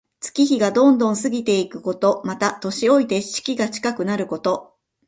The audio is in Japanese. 月日がどんどん過ぎていくこと。また、年老いて死期が近くなること。